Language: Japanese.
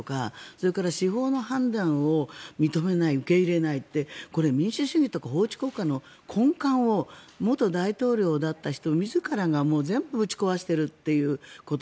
それから司法の判断を認めない受け入れないってこれ、民主主義とか法治国家の根幹を元大統領だった人自らが全部ぶち壊しているということ。